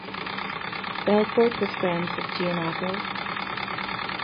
Belfort was friends with Jane Avril.